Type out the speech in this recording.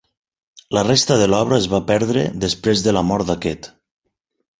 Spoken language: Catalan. La resta de l'obra es va perdre després de la mort d'aquest.